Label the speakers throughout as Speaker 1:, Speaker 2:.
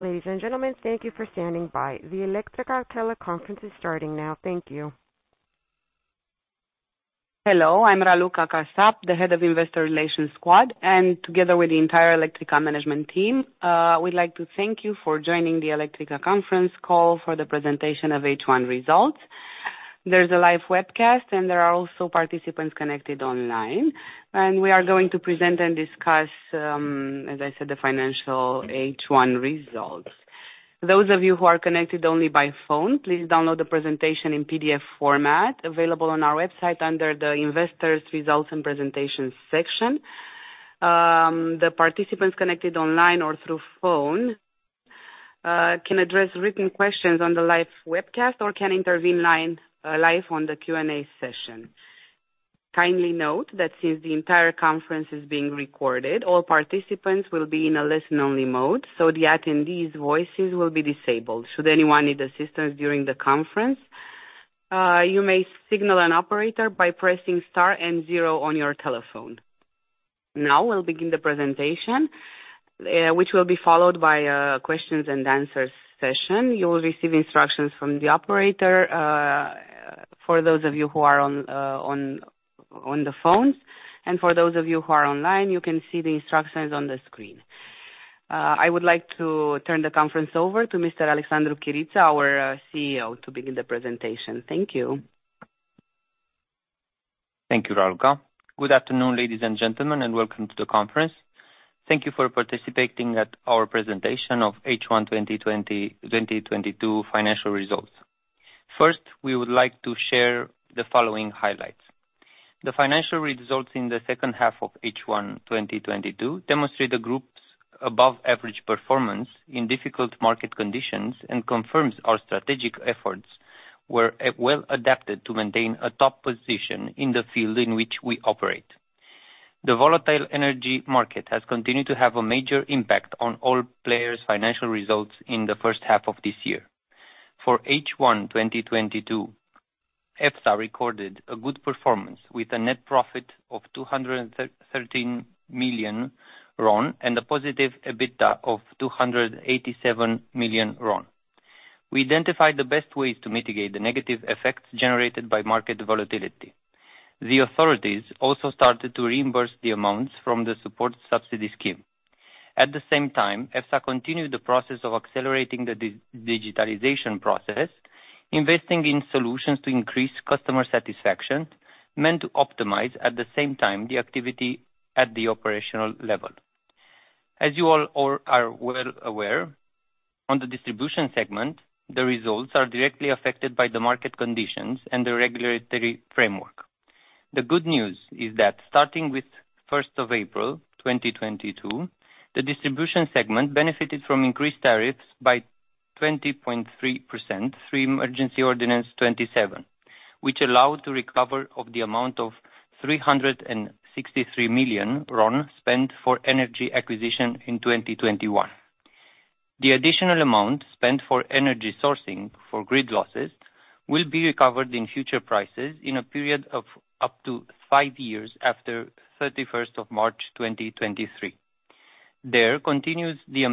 Speaker 1: Ladies and gentlemen, thank you for standing by. The Electrica teleconference is starting now. Thank you.
Speaker 2: Hello, I'm Raluca Casapu, Head of Investor Relations Squad, and together with the entire Electrica management team, we'd like to thank you for joining the Electrica conference call for the presentation of H1 results. There's a live webcast, and there are also participants connected online. We are going to present and discuss, as I said, the financial H1 results. Those of you who are connected only by phone, please download the presentation in PDF format, available on our website under the investors results and presentations section. The participants connected online or through phone can address written questions on the live webcast or can intervene live on the Q&A session. Kindly note that since the entire conference is being recorded, all participants will be in a listen-only mode, so the attendees' voices will be disabled. Should anyone need assistance during the conference, you may signal an operator by pressing star and zero on your telephone. Now we'll begin the presentation, which will be followed by questions and answers session. You will receive instructions from the operator, for those of you who are on the phone. For those of you who are online, you can see the instructions on the screen. I would like to turn the conference over to Mr. Alexandru Chiriță, our Chief Executive Officer, to begin the presentation. Thank you.
Speaker 3: Thank you, Raluca. Good afternoon, ladies and gentlemen, and welcome to the conference. Thank you for participating at our presentation of H1 2022 financial results. First, we would like to share the following highlights. The financial results in the second half of H1 2022 demonstrate the group's above-average performance in difficult market conditions and confirms our strategic efforts were well adapted to maintain a top position in the field in which we operate. The volatile energy market has continued to have a major impact on all players' financial results in the first half of this year. For H1 2022, EFSA recorded a good performance with a net profit of RON 213 million and a positive EBITDA of RON 287 million. We identified the best ways to mitigate the negative effects generated by market volatility. The authorities also started to reimburse the amounts from the support subsidy scheme. At the same time, EFSA continued the process of accelerating the digitalization process, investing in solutions to increase customer satisfaction, meant to optimize, at the same time, the activity at the operational level. As you all are well aware, on the distribution segment, the results are directly affected by the market conditions and the regulatory framework. The good news is that starting with April 1st, 2022, the distribution segment benefited from increased tariffs by 20.3%, through Emergency Ordinance 27, which allowed recovery of the amount of RON 363 million spent for energy acquisition in 2021. The additional amount spent for energy sourcing for grid losses will be recovered in future prices in a period of up to five years after March 31st, 2023. There continues the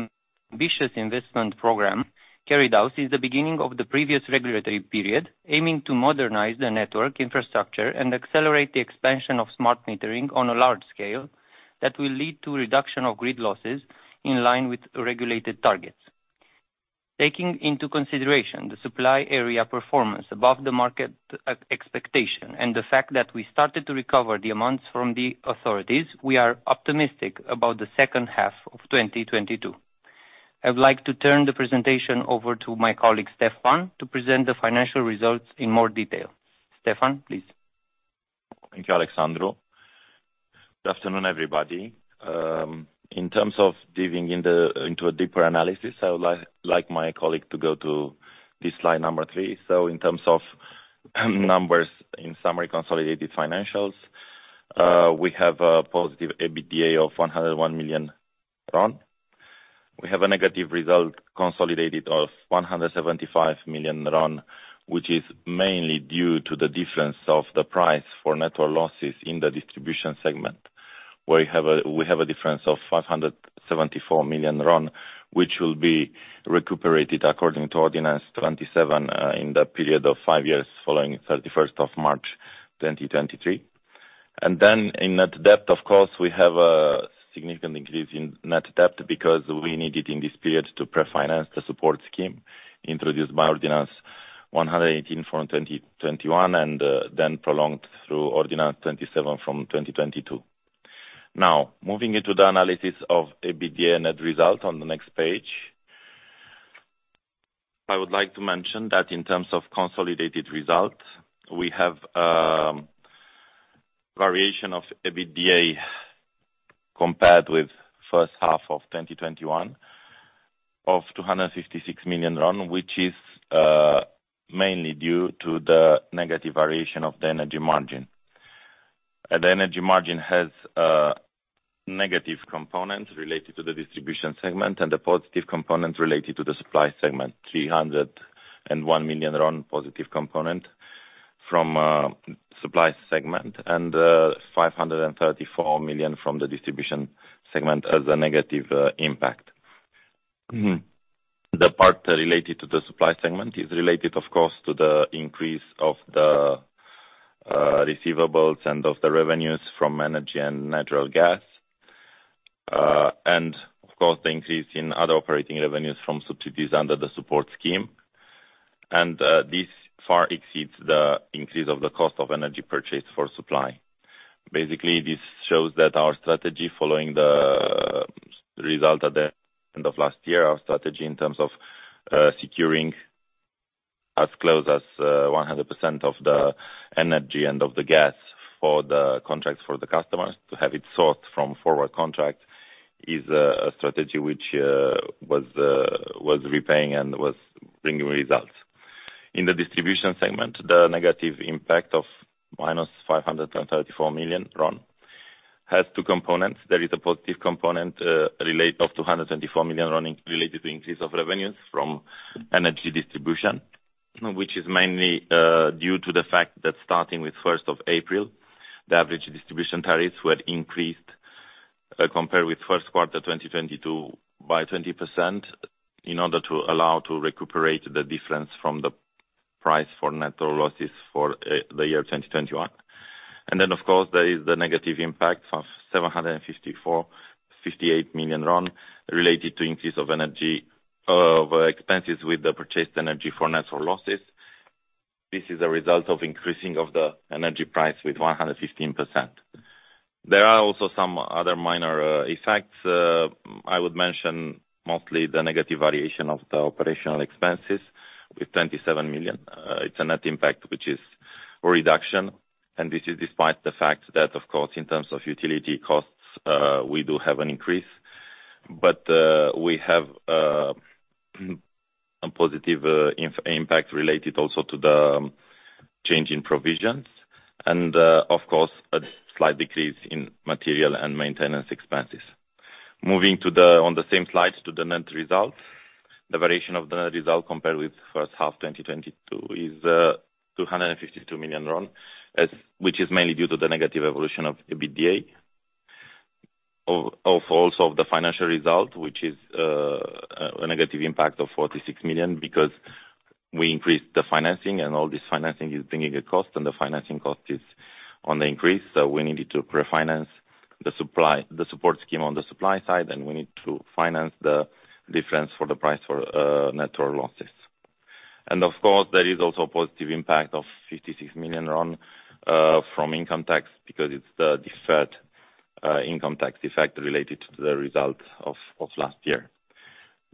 Speaker 3: ambitious investment program carried out since the beginning of the previous regulatory period, aiming to modernize the network infrastructure and accelerate the expansion of smart metering on a large scale that will lead to reduction of grid losses in line with regulated targets. Taking into consideration the supply area performance above the market expectation and the fact that we started to recover the amounts from the authorities, we are optimistic about the second half of 2022. I would like to turn the presentation over to my colleague, Ștefan, to present the financial results in more detail. Ștefan, please.
Speaker 4: Thank you, Alexandru. Good afternoon, everybody. In terms of diving into a deeper analysis, I would like my colleague to go to this slide number three. In terms of numbers, in summary consolidated financials, we have a positive EBITDA of RON 101 million. We have a negative result consolidated of RON 175 million, which is mainly due to the difference of the price for network losses in the distribution segment, where we have a difference of RON 574 million, which will be recuperated according to Ordinance 27 in the period of five years following 31st of March, 2023. In net debt, of course, we have a significant increase in net debt because we need it in this period to pre-finance the support scheme introduced by Ordinance 118/2021 and then prolonged through Ordinance 27/2022. Now, moving into the analysis of EBITDA net result on the next page. I would like to mention that in terms of consolidated results, we have variation of EBITDA compared with first half of 2021 of RON 256 million, which is mainly due to the negative variation of the energy margin. The energy margin has a negative component related to the distribution segment and a positive component related to the supply segment, RON 301 million positive component from supply segment and RON 534 million from the distribution segment as a negative impact. The part related to the supply segment is related, of course, to the increase of the receivables and of the revenues from energy and natural gas. Of course, the increase in other operating revenues from subsidies under the support scheme. This far exceeds the increase of the cost of energy purchase for supply. Basically, this shows that our strategy following these results at the end of last year, our strategy in terms of securing as close as 100% of the energy and of the gas for the contracts for the customers to have it sourced from forward contract is a strategy which was repaying and was bringing results. In the distribution segment, the negative impact of -RON 534 million has two components. There is a positive component related to RON 234 million related to increase of revenues from energy distribution. Which is mainly due to the fact that starting with first of April, the average distribution tariffs were increased compared with first quarter 2022 by 20%, in order to allow to recuperate the difference from the price for network losses for the year 2021. Then of course there is the negative impact of 754.58 million RON related to increase of expenses with the purchased energy for network losses. This is a result of increasing of the energy price with 115%. There are also some other minor effects. I would mention mostly the negative variation of the operational expenses with 27 million RON. It's a net impact which is a reduction, and this is despite the fact that of course in terms of utility costs, we do have an increase. We have some positive impact related also to the change in provisions. Of course, a slight decrease in material and maintenance expenses. Moving on the same slide to the net result. The variation of the net result compared with first half 2022 is RON 252 million, which is mainly due to the negative evolution of EBITDA, also of the financial result, which is a negative impact of RON 46 million because we increased the financing and all this financing is bringing a cost and the financing cost is on the increase. We needed to pre-finance the support scheme on the supply side, and we need to finance the difference for the price for net losses. Of course, there is also a positive impact of RON 56 million from income tax because it's the deferred income tax effect related to the results of last year.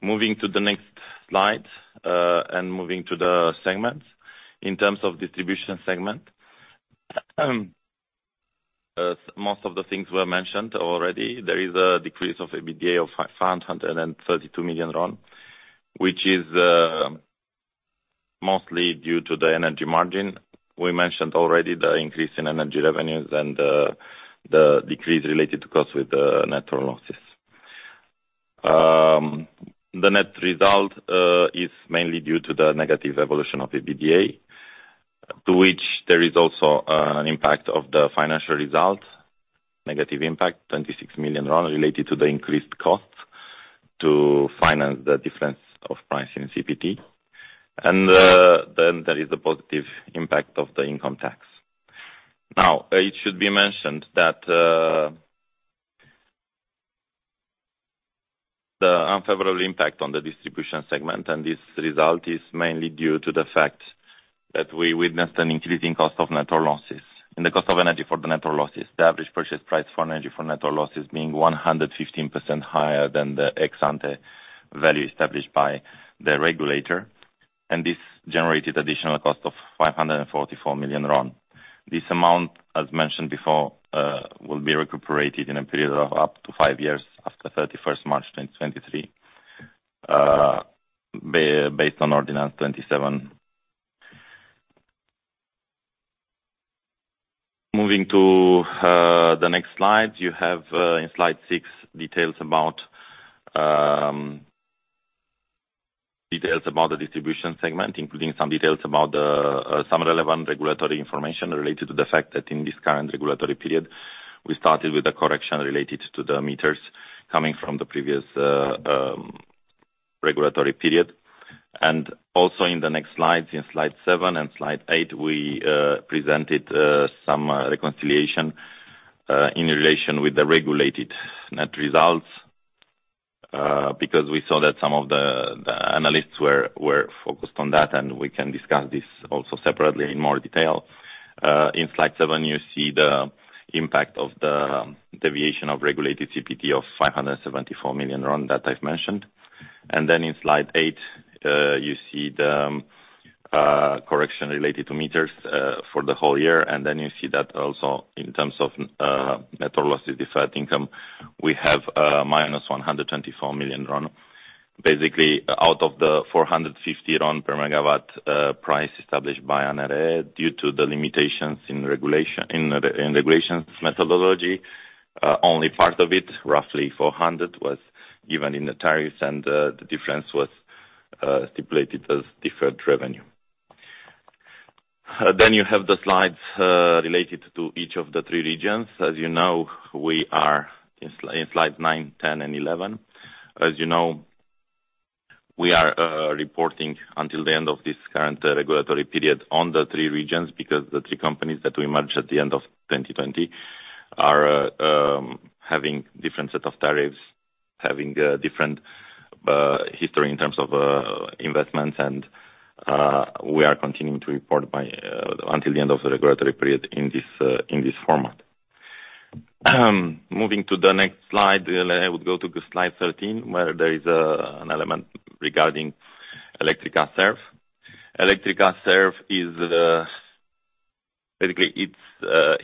Speaker 4: Moving to the next slide, moving to the segments. In terms of distribution segment, most of the things were mentioned already. There is a decrease of EBITDA of RON 532 million, which is mostly due to the energy margin. We mentioned already the increase in energy revenues and the decrease related to cost with the net losses. The net result is mainly due to the negative evolution of EBITDA, to which there is also an impact of the financial result. Negative impact, RON 26 million related to the increased cost to finance the difference of price in CPT. There is the positive impact of the income tax. Now, it should be mentioned that the unfavorable impact on the distribution segment, and this result is mainly due to the fact that we witnessed an increasing cost of network losses and the cost of energy for the network losses. The average purchase price for energy for network losses being 115% higher than the ex-ante value established by the regulator. This generated additional cost of RON 544 million. This amount, as mentioned before, will be recuperated in a period of up to five years after March 31st 2023, based on Ordinance 27. Moving to the next slide. You have in slide six details about the distribution segment, including some details about some relevant regulatory information related to the fact that in this current regulatory period, we started with a correction related to the meters coming from the previous regulatory period. Also in the next slides, in slide seven and slide eight, we presented some reconciliation in relation with the regulated net results. Because we saw that some of the analysts were focused on that, and we can discuss this also separately in more detail. In slide seven, you see the impact of the deviation of regulated CPT of RON 574 million that I've mentioned. In slide eght, you see the correction related to meters for the whole year. You see that also in terms of net losses, deferred income, we have -RON 124 million. Basically, out of the RON 450/MW price established by ANRE due to the limitations in regulations methodology, only part of it, roughly RON 400, was given in the tariffs, and the difference was stipulated as deferred revenue. You have the slides related to each of the three regions. As you know, we are in slide nine, Slide 10, and Slide 11. As you know, we are reporting until the end of this current regulatory period on the three regions, because the three companies that we merged at the end of 2020 are having different set of tariffs, having different history in terms of investments. We are continuing to report until the end of the regulatory period in this format. Moving to the next slide, I would go to Slide 13, where there is an element regarding Electrica Serv. Electrica Serv is basically it's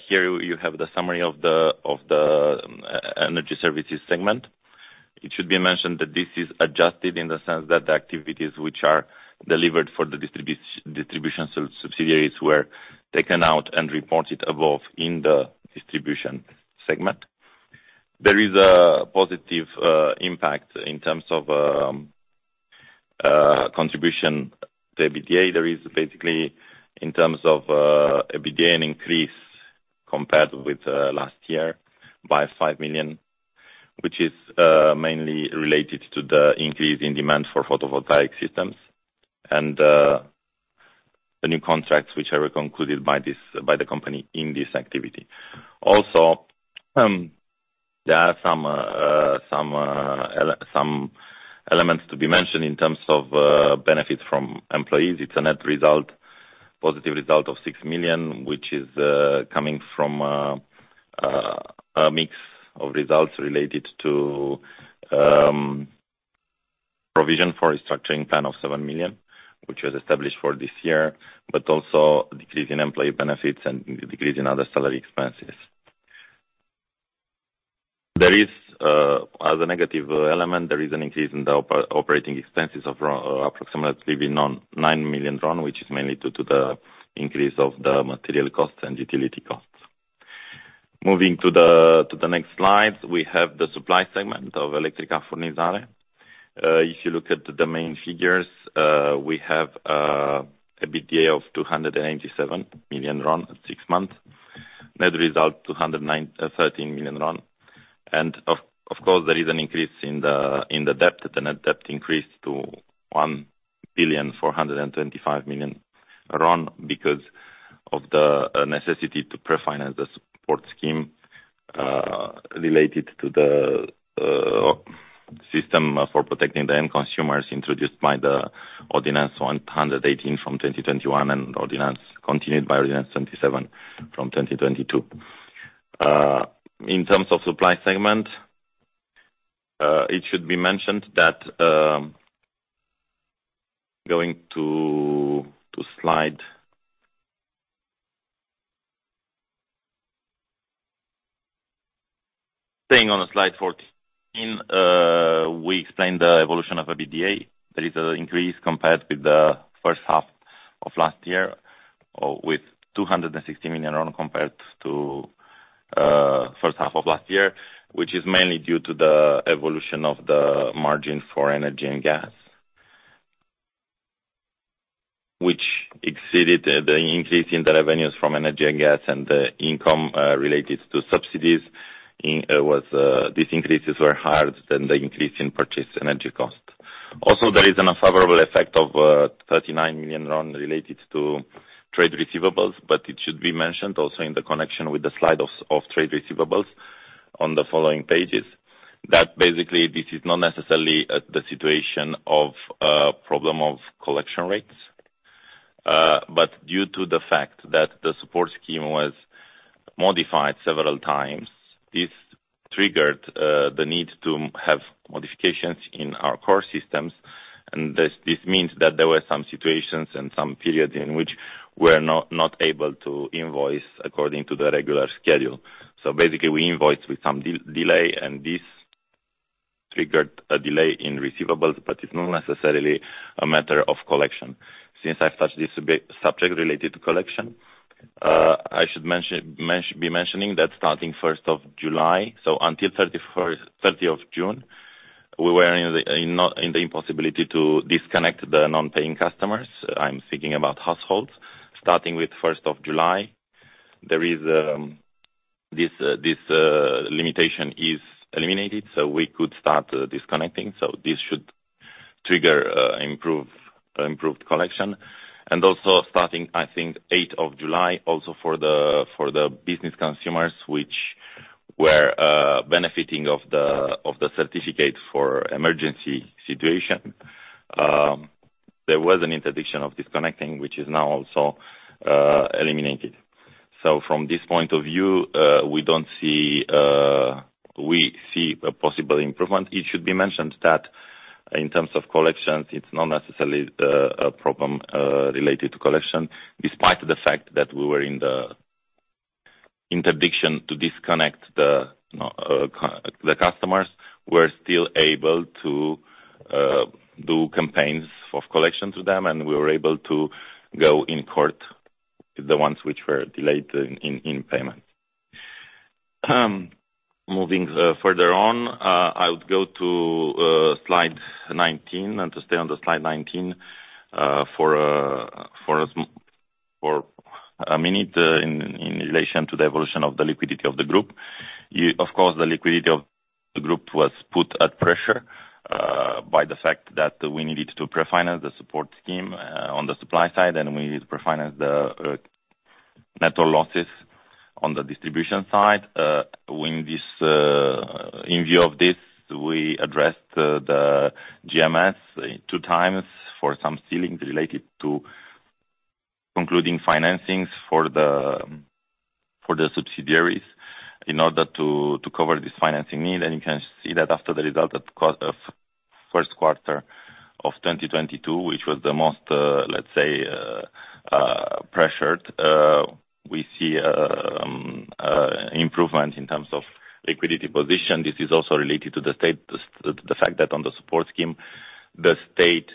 Speaker 4: here you have the summary of the energy services segment. It should be mentioned that this is adjusted in the sense that the activities which are delivered for the distribution subsidiaries were taken out and reported above in the distribution segment. There is a positive impact in terms of contribution to EBITDA. There is basically, in terms of, EBITDA increase compared with last year by RON 5 million, which is mainly related to the increase in demand for photovoltaic systems and the new contracts which are concluded by this, by the company in this activity. Also, there are some elements to be mentioned in terms of benefits from employees. It's a net result, positive result of RON 6 million, which is coming from a mix of results related to provision for restructuring plan of RON 7 million, which was established for this year. Also decrease in employee benefits and decrease in other salary expenses. There is, as a negative element, there is an increase in the operating expenses of approximately 9 million RON, which is mainly due to the increase of the material costs and utility costs. Moving to the next slide, we have the supply segment of Electrica Furnizare. If you look at the main figures, we have a EBITDA of RON 287 million at six months. Net result, RON 209.13 million. Of course, there is an increase in the debt. The net debt increased to RON 1.425 billion because of the necessity to pre-finance the support scheme related to the system for protecting the end consumers introduced by the Ordinance 118 from 2021, and Ordinance continued by Ordinance 27 from 2022. In terms of supply segment, it should be mentioned that staying on Slide 14, we explain the evolution of EBITDA. There is an increase compared with the first half of last year with RON 260 million compared to first half of last year, which is mainly due to the evolution of the margin for energy and gas, which exceeded the increase in the revenues from energy and gas and the income related to subsidies. These increases were higher than the increase in purchased energy cost. Also, there is an unfavorable effect of RON 39 million related to trade receivables. It should be mentioned also in the connection with the slide of trade receivables on the following pages, that basically this is not necessarily the situation of a problem of collection rates. Due to the fact that the support scheme was modified several times, this triggered the need to have modifications in our core systems. This means that there were some situations and some periods in which we're not able to invoice according to the regular schedule. Basically, we invoice with some delay, and this triggered a delay in receivables, but it's not necessarily a matter of collection. Since I've touched this subject related to collection, I should mention that starting first of July, so until June 30th, we were in the impossibility to disconnect the non-paying customers. I'm speaking about households. Starting with July 1st, there is this limitation is eliminated, so we could start disconnecting. This should trigger improved collection. Also starting, I think July 8, also for the business consumers which were benefiting of the certificate for emergency situation, there was an interdiction of disconnecting, which is now also eliminated. From this point of view, we see a possible improvement. It should be mentioned that in terms of collections, it's not necessarily a problem related to collection. Despite the fact that we were in the interdiction to disconnect the customers, we're still able to do campaigns of collection to them, and we were able to go in court. The ones which were delayed in payment. Moving further on, I would go to Slide 19 and stay on Slide 19 for a minute in relation to the evolution of the liquidity of the group. Of course, the liquidity of the group was put under pressure by the fact that we needed to pre-finance the support scheme on the supply side, and we needed to pre-finance the net losses on the distribution side. In view of this, we addressed the GMS two times for some ceilings related to concluding financings for the subsidiaries in order to cover this financing need. You can see that after the result of first quarter of 2022, which was the most, let's say, pressured, we see improvement in terms of liquidity position. This is also related to the fact that on the support scheme, the state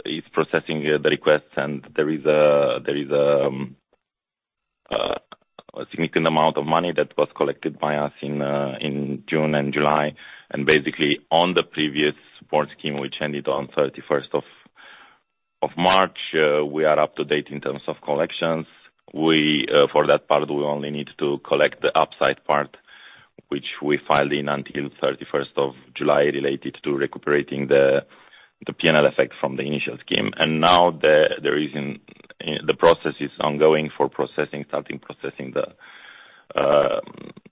Speaker 4: is processing the requests and there is a significant amount of money that was collected by us in June and July. Basically on the previous support scheme, which ended on March 31st, we are up to date in terms of collections. For that part, we only need to collect the upside part, which we filed in until July 31st, related to recuperating the P&L effect from the initial scheme. Now the process is ongoing for processing the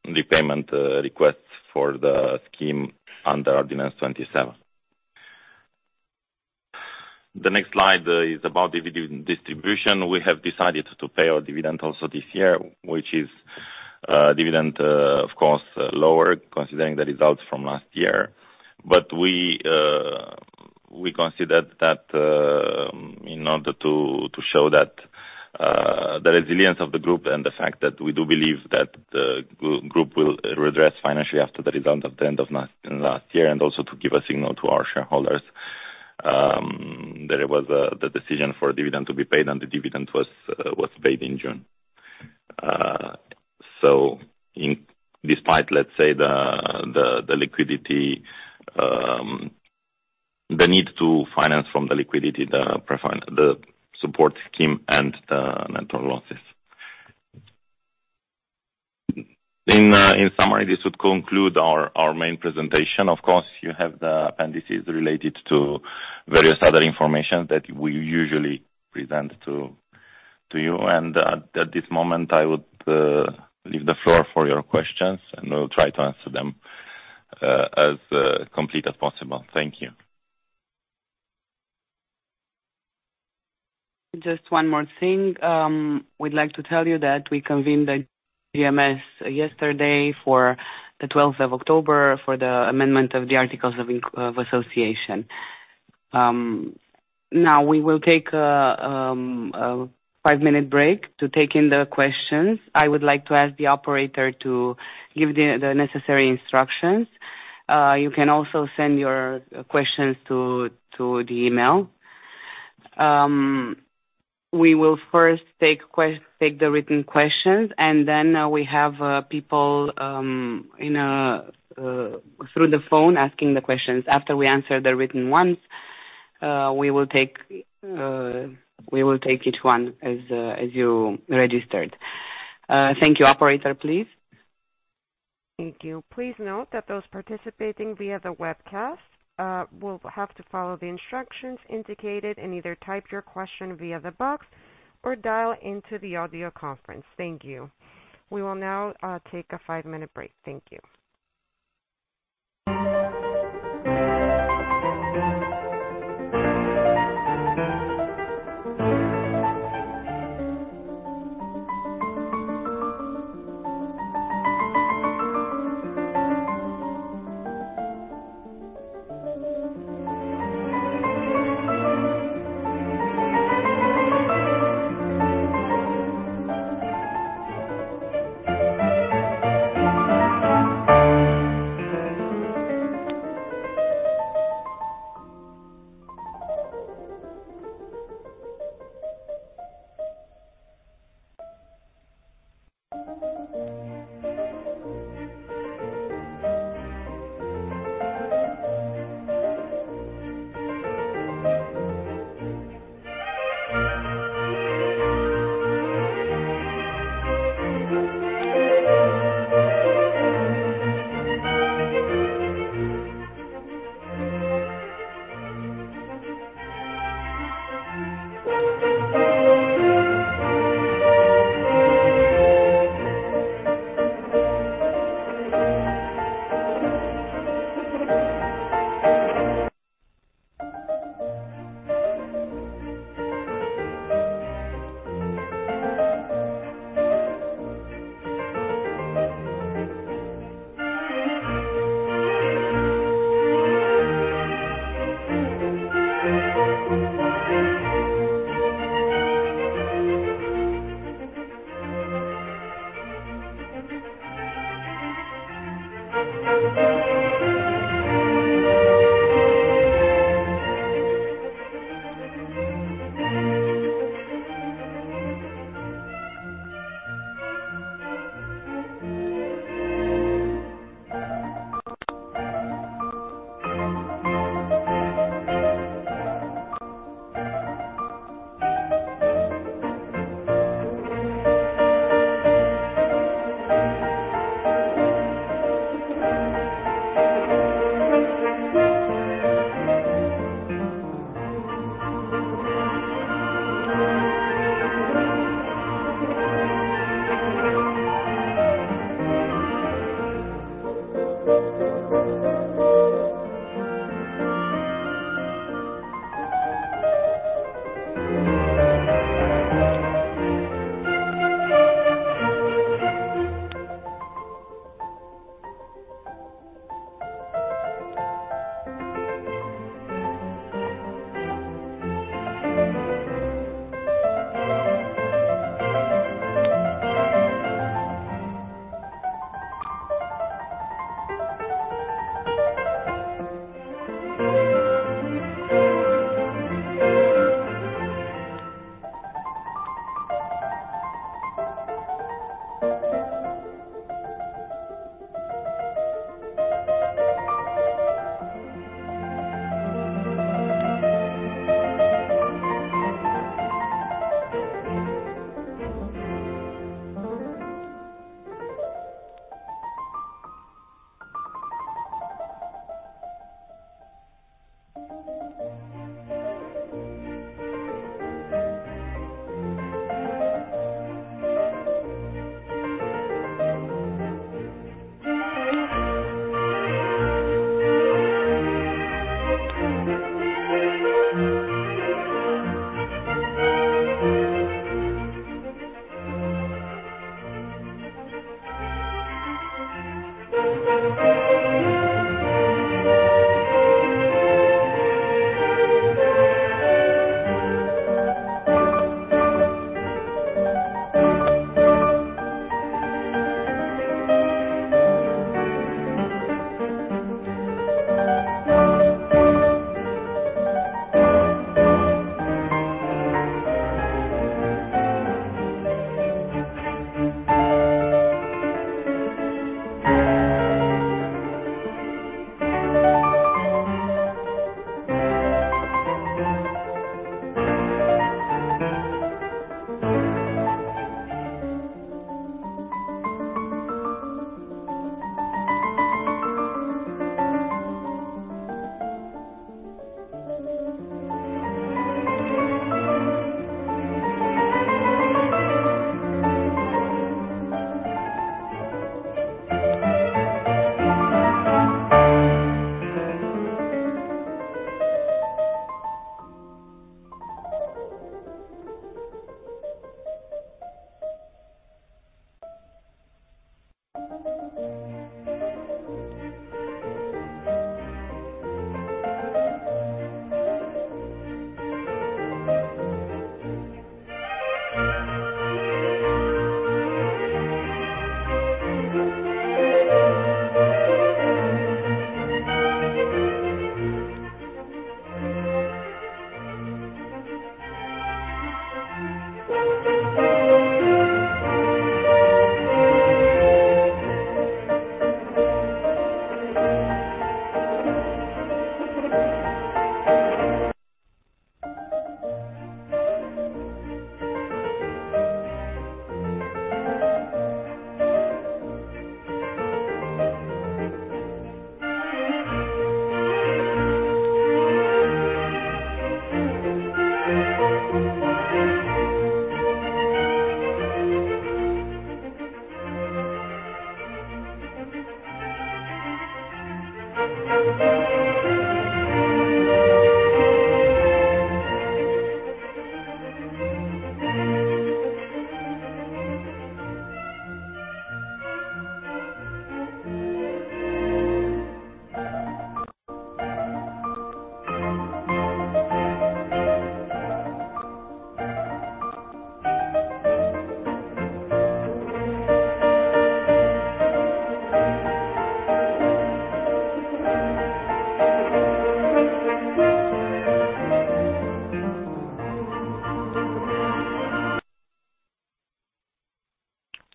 Speaker 4: repayment requests for the scheme under Ordinance 27. The next slide is about dividend distribution. We have decided to pay our dividend also this year, which is, of course, lower considering the results from last year. We considered that in order to show the resilience of the group and the fact that we do believe that the group will redress financially after the result at the end of last year, and also to give a signal to our shareholders that it was the decision for dividend to be paid and the dividend was paid in June. Despite, let's say, the liquidity, the need to finance from the liquidity, the pre-finance, the support scheme and the net losses. In summary, this would conclude our main presentation. Of course, you have the appendices related to various other information that we usually present to you. At this moment, I would leave the floor for your questions, and we'll try to answer them as complete as possible. Thank you.
Speaker 2: Just one more thing. We'd like to tell you that we convened a GMS yesterday for the October 12th, for the amendment of the articles of association. Now we will take a five-minute break to take in the questions. I would like to ask the operator to give the necessary instructions. You can also send your questions to the email. We will first take the written questions, and then we have people you know through the phone asking the questions. After we answer the written ones, we will take each one as you registered. Thank you. Operator, please.
Speaker 1: Thank you. Please note that those participating via the webcast will have to follow the instructions indicated and either type your question via the box or dial into the audio conference. Thank you. We will now take a five-minute break. Thank you.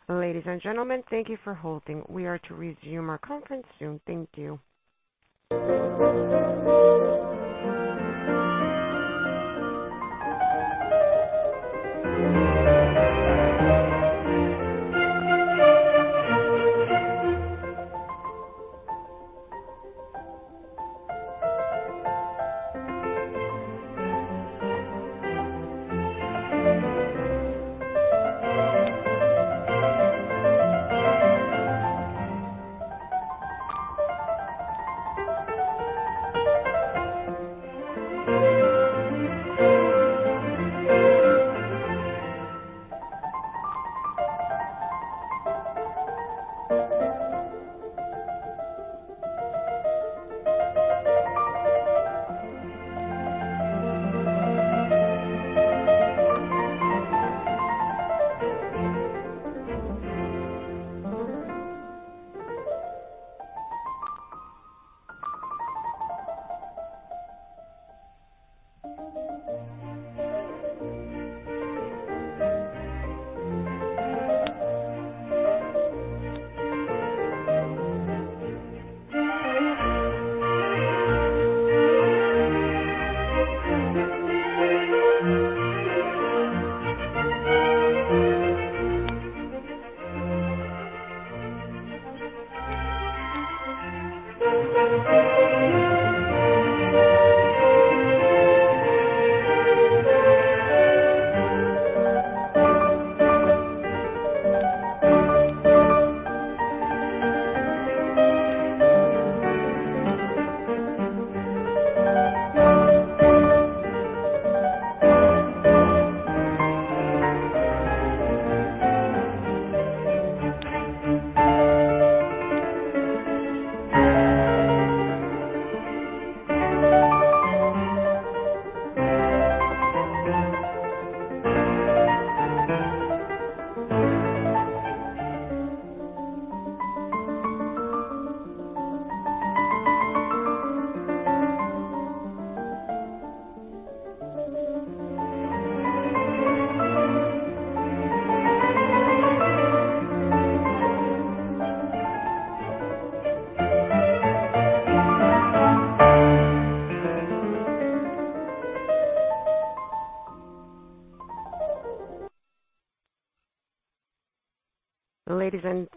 Speaker 1: Ladies and gentlemen, thank you for holding. We are to resume our conference soon. Thank you.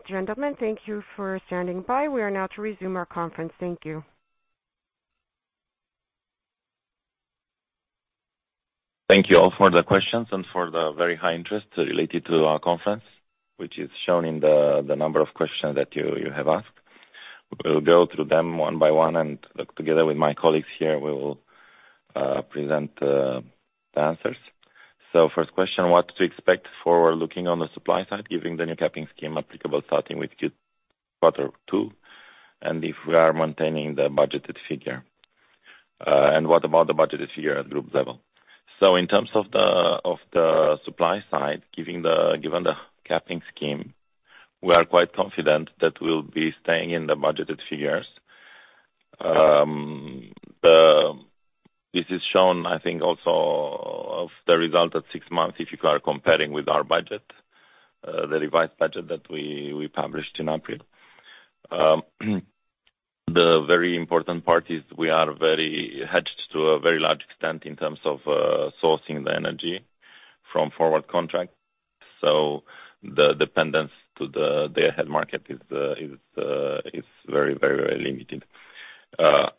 Speaker 1: Ladies and gentlemen, thank you for standing by. We are now to resume our conference. Thank you.
Speaker 4: Thank you all for the questions and for the very high interest related to our conference, which is shown in the number of questions that you have asked. We'll go through them one by one and together with my colleagues here, we will present the answers. First question, what to expect looking on the supply side, given the new capping scheme applicable starting with Q2, and if we are maintaining the budgeted figure. And what about the budgeted figure at group level? In terms of the supply side, given the capping scheme, we are quite confident that we'll be staying in the budgeted figures. This is shown, I think, also by the results at six months, if you are comparing with our budget, the revised budget that we published in April. The very important part is we are very hedged to a very large extent in terms of sourcing the energy from forward contracts. The dependence to the day-ahead market is very limited.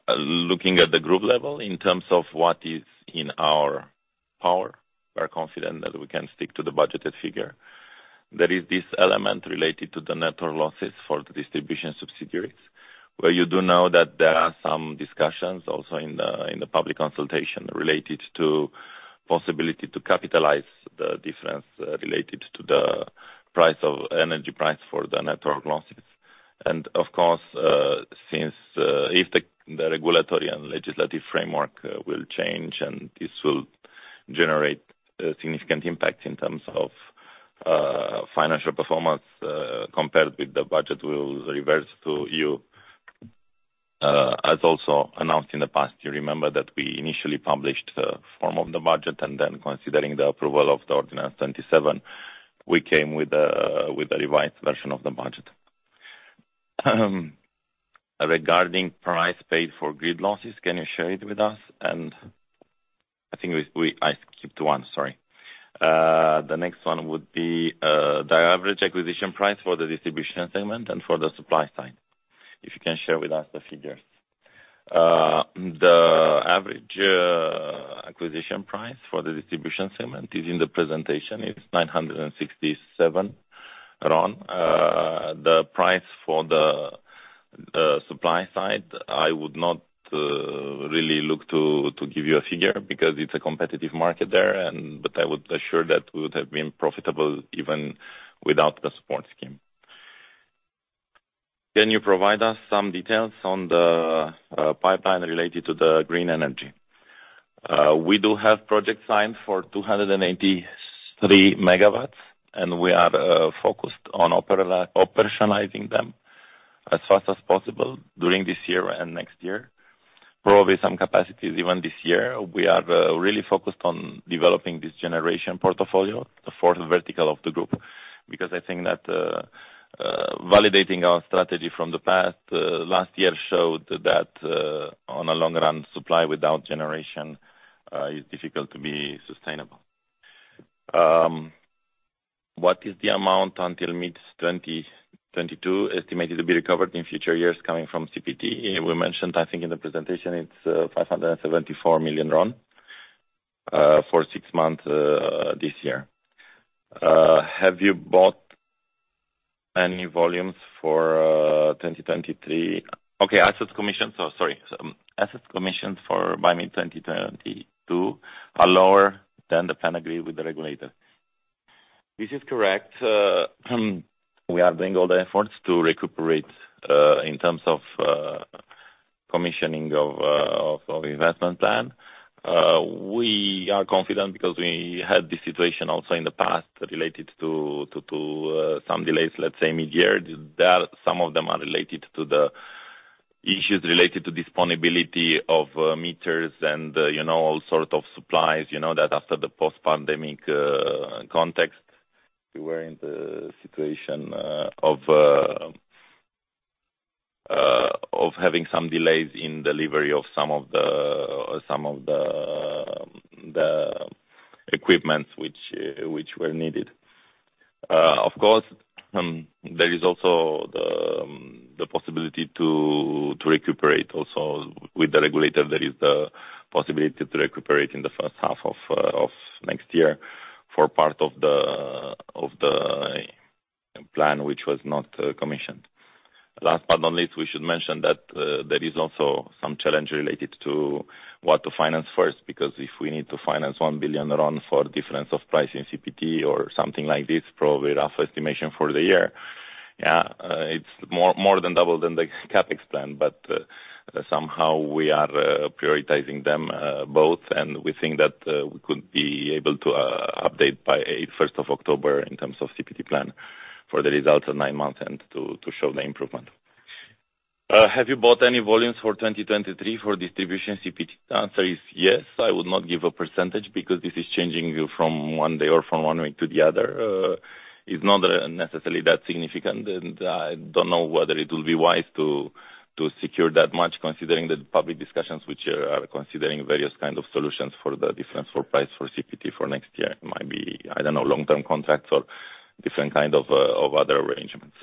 Speaker 4: Looking at the group level in terms of what is in our power, we are confident that we can stick to the budgeted figure. There is this element related to the network losses for the distribution subsidiaries, where you do know that there are some discussions also in the public consultation related to possibility to capitalize the difference related to the price of energy for the network losses. Of course, since if the regulatory and legislative framework will change and this will generate a significant impact in terms of financial performance compared with the budget, we will revert to you. As also announced in the past, you remember that we initially published a form of the budget and then considering the approval of the Ordinance 27, we came with a revised version of the budget. Regarding price paid for grid losses, can you share it with us? I think we I skipped one, sorry. The next one would be the average acquisition price for the distribution segment and for the supply side. If you can share with us the figures. The average acquisition price for the distribution segment is in the presentation, it's RON 967. The price for the supply side, I would not really look to give you a figure because it's a competitive market there and but I would assure that we would have been profitable even without the support scheme. Can you provide us some details on the pipeline related to the green energy? We do have project signed for 283 MW, and we are focused on operationalizing them as fast as possible during this year and next year. Probably some capacities, even this year. We are really focused on developing this generation portfolio, the fourth vertical of the group, because I think that validating our strategy from the past, last year showed that, on a long run, supply without generation is difficult to be sustainable. What is the amount until mid-2022 estimated to be recovered in future years coming from CPT? We mentioned, I think in the presentation it's RON 574 million for six months this year. Have you bought any volumes for 2023? Okay, assets commissioned. Sorry. Assets commissioned by mid-2022 are lower than the plan agreed with the regulator. This is correct. We are doing all the efforts to recuperate in terms of commissioning of investment plan. We are confident because we had this situation also in the past related to some delays, let's say mid-year. That some of them are related to the issues related to availability of meters and, you know, all sorts of supplies. You know that after the post-pandemic context, we were in the situation of having some delays in delivery of some of the equipments which were needed. Of course, there is also the possibility to recuperate in the first half of next year for part of the plan which was not commissioned. Last but not least, we should mention that there is also some challenge related to what to finance first. Because if we need to finance RON 1 billion for difference of price in CPT or something like this, probably rough estimation for the year, it's more than double than the CapEx plan. Somehow we are prioritizing them both, and we think that we could be able to update by the first of October in terms of CPT plan for the results at nine months and to show the improvement. Have you bought any volumes for 2023 for distribution CPT? The answer is yes. I would not give a percentage because this is changing from one day or from one week to the other. It's not necessarily that significant, and I don't know whether it will be wise to secure that much considering the public discussions which are considering various kind of solutions for the difference for price for CPT for next year. It might be long-term contracts or different kind of other arrangements.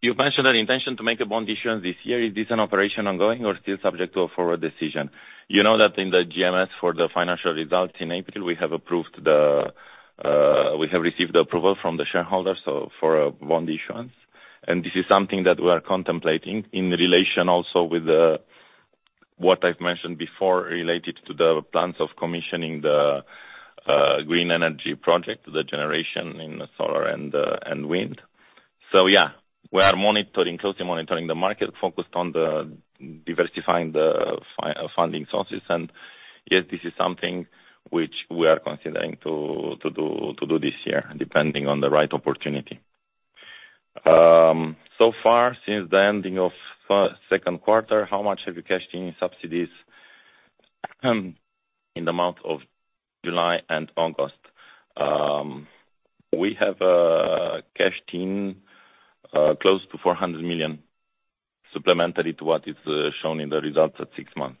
Speaker 4: You mentioned an intention to make a bond issuance this year. Is this an operation ongoing or still subject to a forward decision? You know that in the GMS for the financial results in April, we have received the approval from the shareholders, so for bond issuance. This is something that we are contemplating in relation also with what I've mentioned before, related to the plans of commissioning the green energy project, the generation in the solar and wind. Yeah, we are closely monitoring the market, focused on the diversifying the funding sources. Yes, this is something which we are considering to do this year, depending on the right opportunity. So far, since the ending of second quarter, how much have you cashed in subsidies in the month of July and August? We have cashed in close to RON 400 million supplementary to what is shown in the results at six months.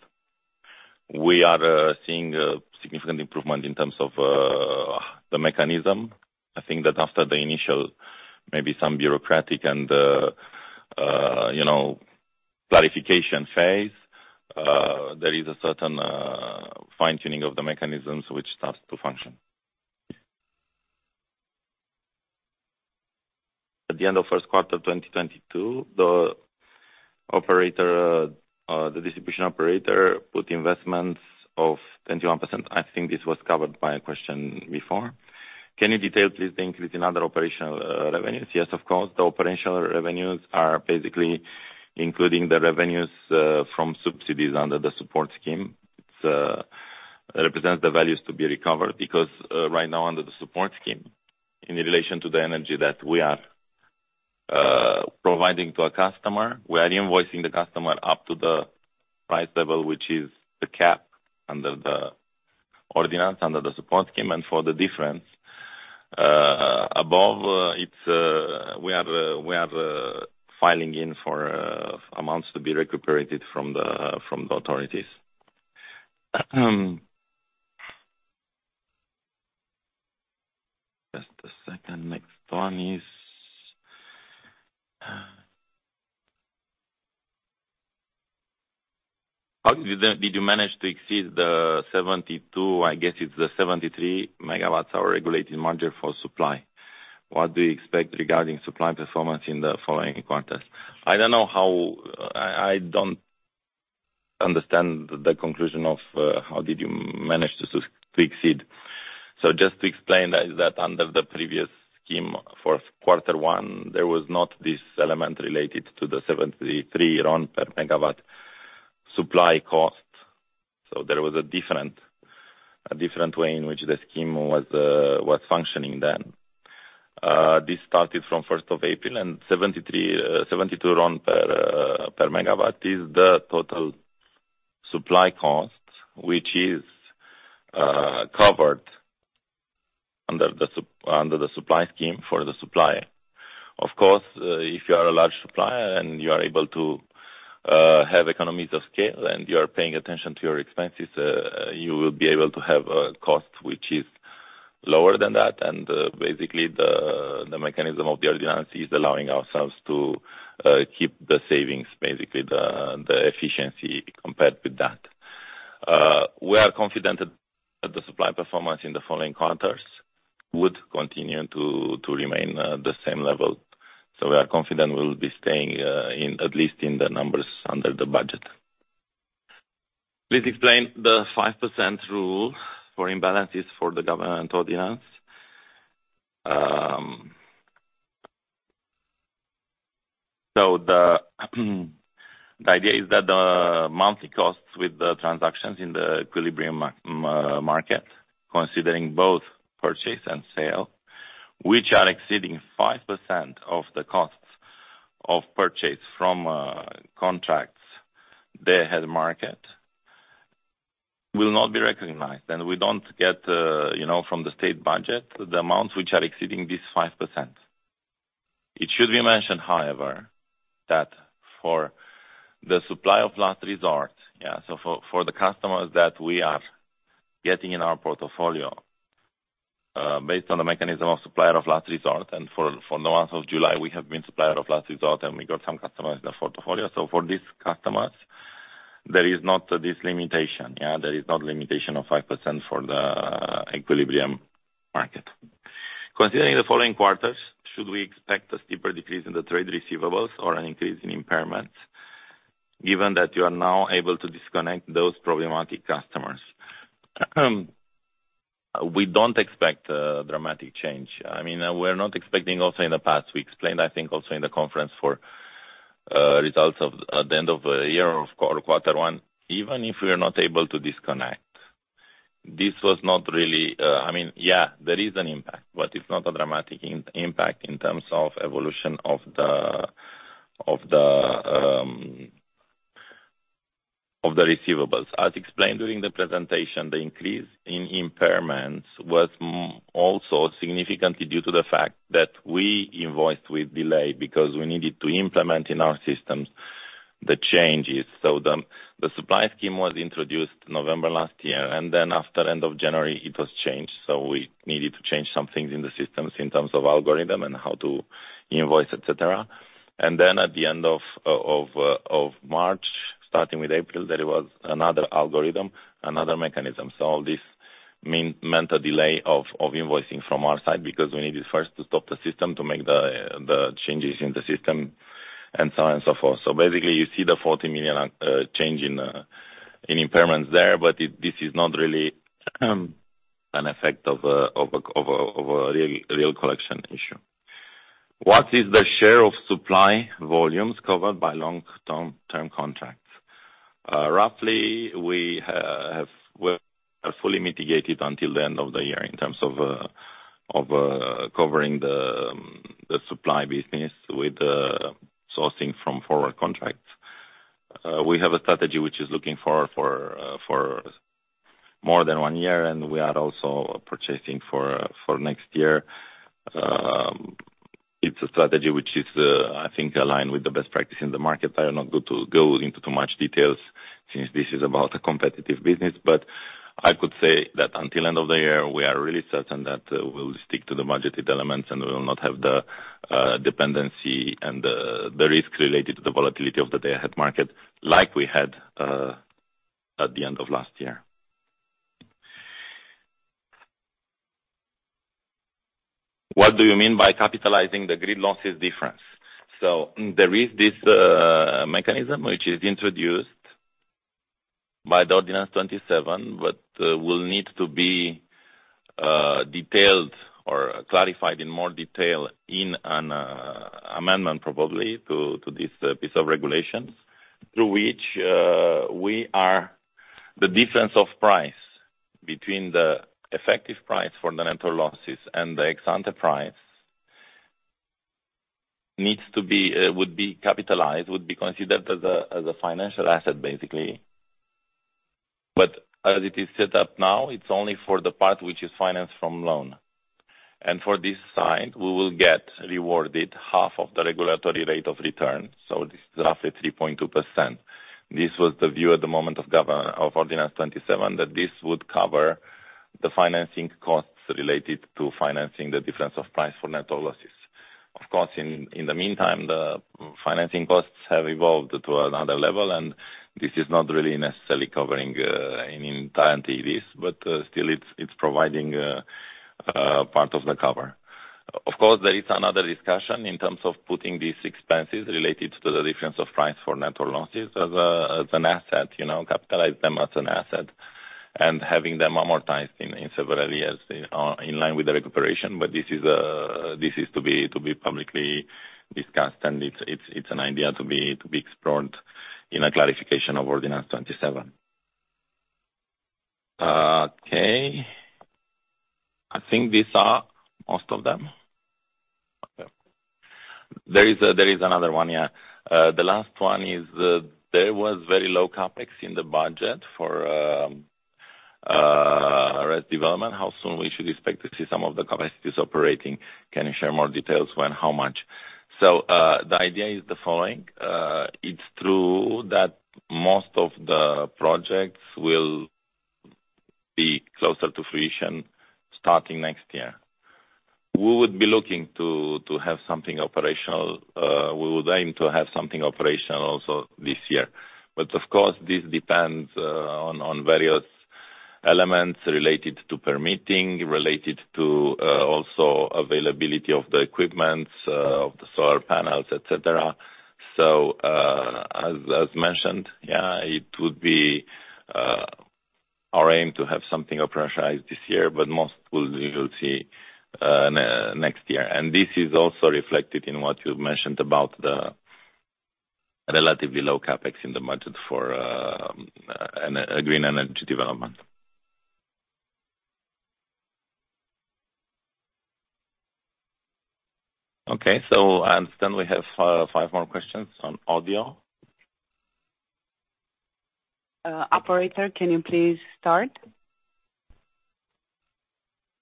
Speaker 4: We are seeing a significant improvement in terms of the mechanism. I think that after the initial, maybe some bureaucratic and, you know, clarification phase, there is a certain fine-tuning of the mechanisms which starts to function. At the end of first quarter 2022, the operator, the distribution operator put investments of 21%. I think this was covered by a question before. Can you detail please the increase in other operational revenues? Yes, of course. The operational revenues are basically including the revenues from subsidies under the support scheme. It represents the values to be recovered. Because right now, under the support scheme, in relation to the energy that we are providing to a customer, we are invoicing the customer up to the price level, which is the cap under the ordinance, under the support scheme. For the difference above, it's we have filing in for amounts to be recuperated from the authorities. Just a second. Next one is. Did you manage to exceed the RON 72/MW, I guess it's the RON 73/MW, our regulated margin for supply? What do you expect regarding supply performance in the following quarters? I don't know how I don't understand the conclusion of how did you manage to exceed. Just to explain that under the previous scheme for quarter one, there was not this element related to the RON 72/MW supply cost. There was a different way in which the scheme was functioning then. This started from first of April, and RON 72/MW is the total supply cost, which is covered under the supply scheme for the supplier. Of course, if you are a large supplier and you are able to have economies of scale and you are paying attention to your expenses, you will be able to have a cost which is lower than that. Basically the mechanism of the ordinance is allowing ourselves to keep the savings, basically the efficiency compared with that. We are confident that the supply performance in the following quarters would continue to remain the same level. We are confident we'll be staying in at least the numbers under the budget. Please explain the 5% rule for imbalances for the government ordinance. The idea is that the monthly costs with the transactions in the balancing market, considering both purchase and sale, which are exceeding 5% of the costs of purchase from contracts, the day-ahead market will not be recognized, and we don't get, you know, from the state budget, the amounts which are exceeding this 5%. It should be mentioned, however, that for the supply of last resort, so for the customers that we are getting in our portfolio, based on the mechanism of supplier of last resort and for the month of July, we have been supplier of last resort, and we got some customers in the portfolio. So for these customers, there is not this limitation. There is not limitation of 5% for the balancing market. Considering the following quarters, should we expect a steeper decrease in the trade receivables or an increase in impairments, given that you are now able to disconnect those problematic customers? We don't expect a dramatic change. I mean, we're not expecting also in the past, we explained, I think, also in the conference for results of. At the end of the year or quarter one, even if we are not able to disconnect, this was not really. I mean, yeah, there is an impact, but it's not a dramatic impact in terms of evolution of the receivables. As explained during the presentation, the increase in impairments was also significantly due to the fact that we invoiced with delay because we needed to implement in our systems the changes. The supply scheme was introduced November last year, and then after end of January it was changed, so we needed to change some things in the systems in terms of algorithm and how to invoice, et cetera. At the end of March, starting with April, there was another algorithm, another mechanism. This meant a delay of invoicing from our side because we needed first to stop the system to make the changes in the system and so on and so forth. Basically, you see the RON 40 million change in impairments there, but this is not really an effect of a real collection issue. What is the share of supply volumes covered by long-term contracts? Roughly, we are fully mitigated until the end of the year in terms of covering the supply business with sourcing from forward contracts. We have a strategy which is looking for more than one year, and we are also purchasing for next year. It's a strategy which is, I think, aligned with the best practice in the market. I will not go into too much details since this is about a competitive business. I could say that until end of the year, we are really certain that, we'll stick to the budgeted elements and we will not have the, dependency and the risk related to the volatility of the day-ahead market like we had, at the end of last year. What do you mean by capitalizing the grid losses difference? There is this, mechanism which is introduced by the Ordinance 27, but, will need to be, detailed or clarified in more detail in an, amendment probably to, this piece of regulations through which, we are. The difference of price between the effective price for the network losses and the ex-ante price needs to be would be capitalized, would be considered as a financial asset, basically. As it is set up now, it's only for the part which is financed from loan. For this side, we will get rewarded half of the regulatory rate of return. This is roughly 3.2%. This was the view at the moment of Ordinance 27, that this would cover the financing costs related to financing the difference of price for network losses. Of course, in the meantime, the financing costs have evolved to another level, and this is not really necessarily covering in entirety this, but still it's providing part of the cover. Of course, there is another discussion in terms of putting these expenses related to the difference of price for network losses as an asset, you know, capitalize them as an asset and having them amortized in several years, in line with the recuperation. This is to be publicly discussed, and it's an idea to be explored in a clarification of Ordinance 27. Okay. I think these are most of them. There is another one, yeah. The last one is there was very low CapEx in the budget for RES development. How soon we should expect to see some of the capacities operating? Can you share more details when, how much? The idea is the following. It's true that most of the projects will be closer to fruition starting next year. We would be looking to have something operational. We would aim to have something operational also this year. Of course, this depends on various elements related to permitting, related to also availability of the equipment of the solar panels, et cetera. As mentioned, yeah, it would be our aim to have something operationalized this year, but most you'll see next year. This is also reflected in what you've mentioned about the relatively low CapEx in the budget for a green energy development. Okay. I understand we have five more questions on audio.
Speaker 2: Operator, can you please start?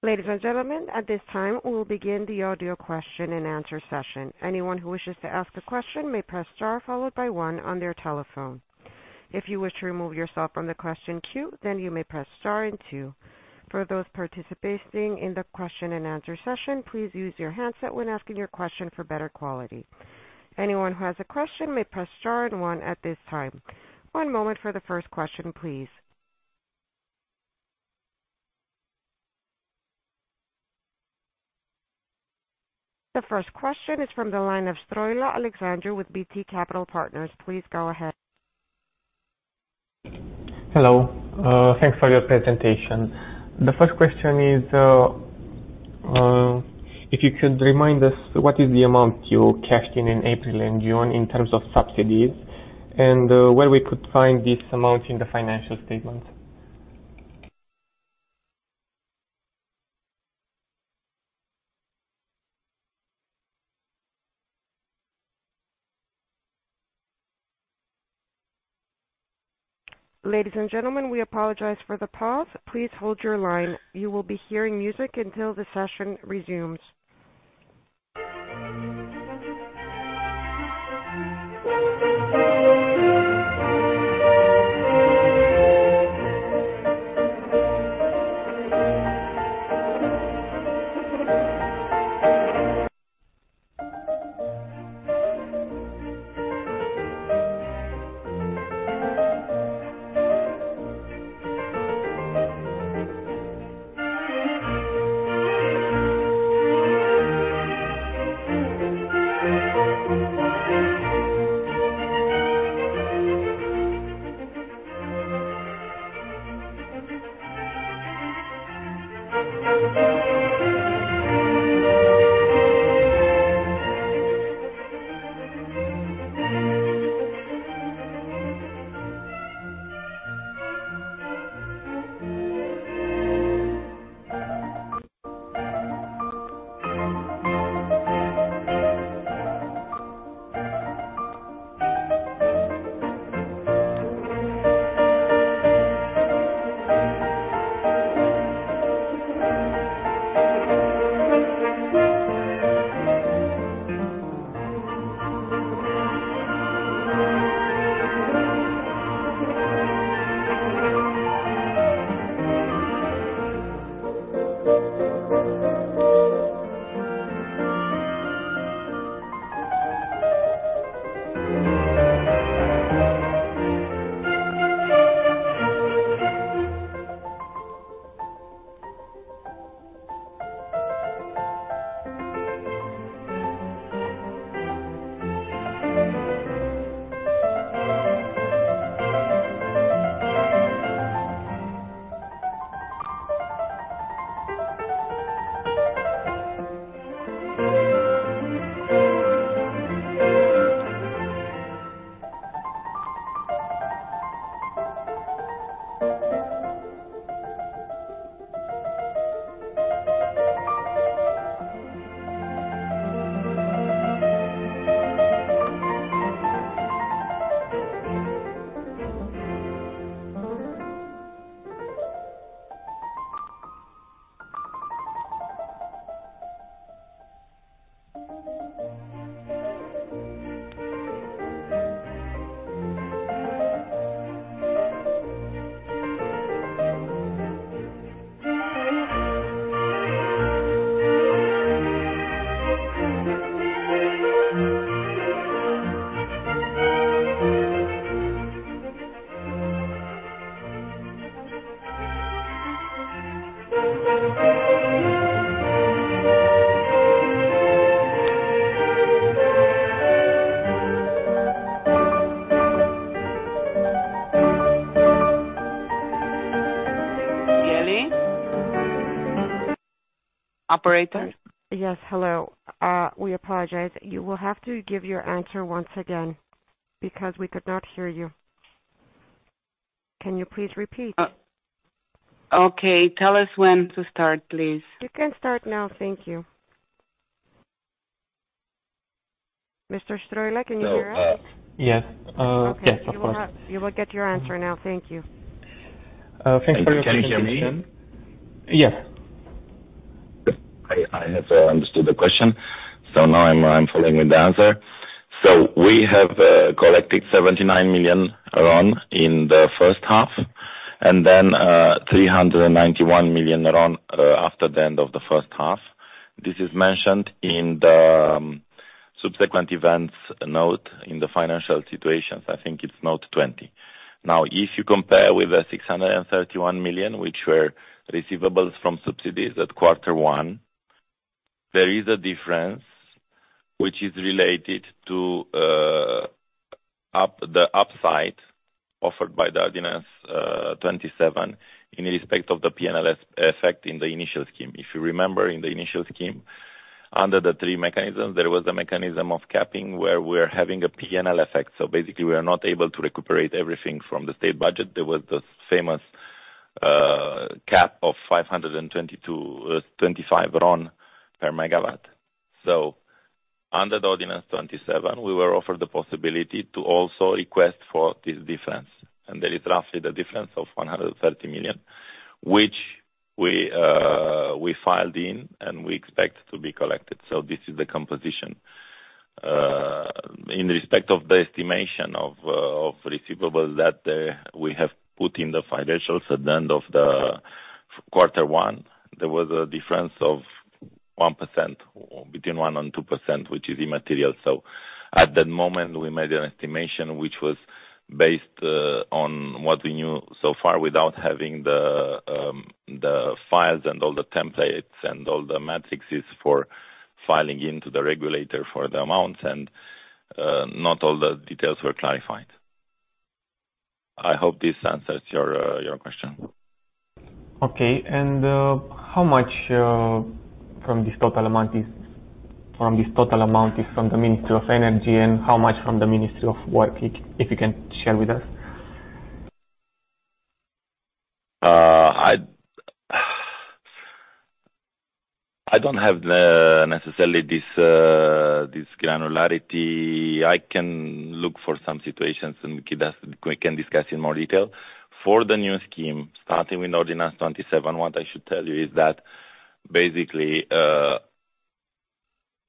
Speaker 1: Ladies and gentlemen, at this time we'll begin the audio question-and-answer session. Anyone who wishes to ask a question may press star followed by one on their telephone. If you wish to remove yourself from the question queue, then you may press star and two. For those participating in the question-and-answer session, please use your handset when asking your question for better quality. Anyone who has a question may press star and one at this time. One moment for the first question, please. The first question is from the line of Stroilă Alexandru with BT Capital Partners. Please go ahead.
Speaker 5: Hello. Thanks for your presentation. The first question is, if you could remind us what is the amount you cashed in in April and June in terms of subsidies, and where we could find this amount in the financial statement?
Speaker 1: Ladies and gentlemen, we apologize for the pause. Please hold your line. You will be hearing music until the session resumes.
Speaker 2: Geli. Operator.
Speaker 1: Yes. Hello. We apologize. You will have to give your answer once again because we could not hear you. Can you please repeat?
Speaker 2: Okay. Tell us when to start, please.
Speaker 1: You can start now. Thank you. Mr. Stroilă, can you hear us?
Speaker 5: Yes. Yes, of course.
Speaker 1: Okay. You will get your answer now. Thank you.
Speaker 4: Thanks for your question. Can you hear me?
Speaker 5: Yes.
Speaker 4: I have understood the question, now I'm following with the answer. We have collected RON 79 million in the first half and then RON 391 million after the end of the first half. This is mentioned in the Subsequent Events note in the financial statements, I think it's Note 20. If you compare with the RON 631 million, which were receivables from subsidies at quarter one, there is a difference which is related to the upside offered by the Ordinance 27 in respect of the P&Ls effect in the initial scheme. If you remember, in the initial scheme, under the three mechanisms, there was a mechanism of capping where we're having a P&L effect. Basically, we are not able to recuperate everything from the state budget. There was this famous cap of RON 522.25/MW. Under the ordinance 27, we were offered the possibility to also request for this difference. There is roughly the difference of RON 130 million, which we filed in, and we expect to be collected. This is the composition. In respect of the estimation of receivables that we have put in the financials at the end of the first quarter, there was a difference of 1%, between 1% and 2%, which is immaterial. At that moment, we made an estimation, which was based on what we knew so far without having the files and all the templates and all the metrics for filing into the regulator for the amounts. Not all the details were clarified. I hope this answers your question.
Speaker 5: Okay. How much from this total amount is from the Ministry of Energy, and how much from the Ministry of Labour, if you can share with us?
Speaker 4: I don't have the necessary this granularity. I can look for some situations, and we can discuss in more detail. For the new scheme, starting with Ordinance 27, what I should tell you is that basically,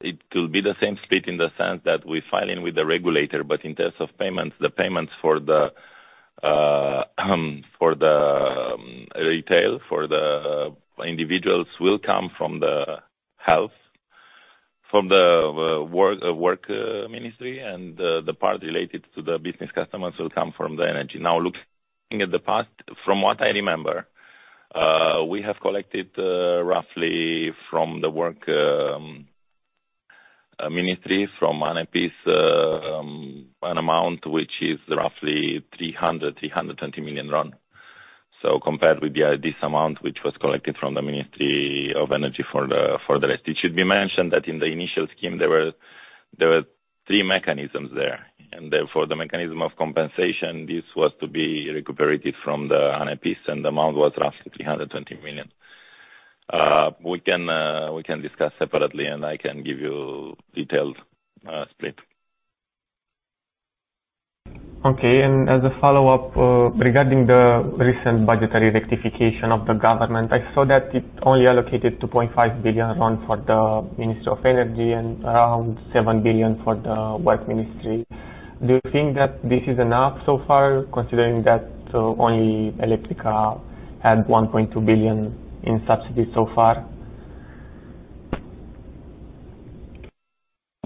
Speaker 4: it will be the same split in the sense that we file in with the regulator. In terms of payments, the payments for the retail, for the individuals will come from the Ministry of Labour and Social Protection, and the part related to the business customers will come from the Ministry of Energy. Now, looking at the past, from what I remember, we have collected roughly from the Ministry of Labour and Social Protection an amount which is roughly RON 320 million. Compared with this amount, which was collected from the Ministry of Energy for the rest. It should be mentioned that in the initial scheme, there were three mechanisms there. Therefore, the mechanism of compensation, this was to be recuperated from the, and the amount was roughly RON 320 million. We can discuss separately, and I can give you detailed split.
Speaker 5: Okay. As a follow-up, regarding the recent budgetary rectification of the government, I saw that it only allocated RON 2.5 billion for the Ministry of Energy and around RON 7 billion for the Ministry of Labour and Social Protection. Do you think that this is enough so far, considering that only Electrica had RON 1.2 billion in subsidy so far?